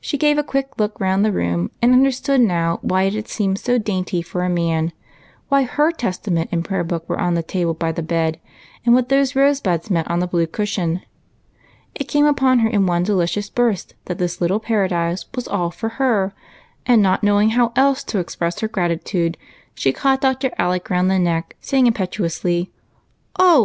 She gave a quick look round the room and understood now why it had seemed too dainty for a man, why her Testament and Prayer book were on the table by the bed, and what those rose buds meant on the blue cushion. It came upon her in one delicious burst that this little paradise was all for her, and, not knowing how else to express her gratitude, she caught Dr. Aleo round the neck, saying impetuously, — UNCLE ALECS ROOM.